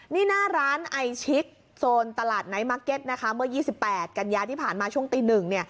นี่หน้าร้านไอชิคโซนตลาดไนท์มาร์เก็ตนะคะเมื่อ๒๘กันยาที่ผ่านมาช่วงตีหนึ่งเนี่ย